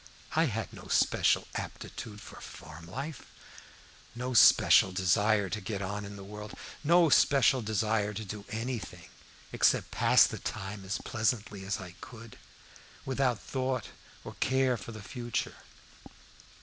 I had no special aptitude for farm life; no special desire to get on in the world; no special desire to do anything except pass the time as pleasantly as I could, without thought or care for the future.